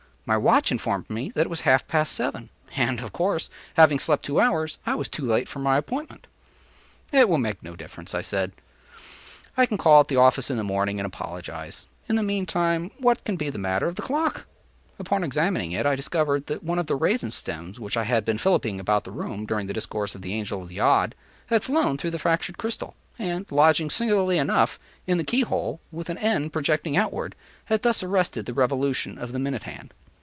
My watch informed me that it was half past seven; and, of course, having slept two hours, I was too late for my appointment. “It will make no difference,” I said: “I can call at the office in the morning and apologize; in the meantime what can be the matter with the clock?” Upon examining it I discovered that one of the raisin stems which I had been filliping about the room during the discourse of the Angel of the Odd, had flown through the fractured crystal, and lodging, singularly enough, in the key hole, with an end projecting outward, had thus arrested the revolution of the minute hand.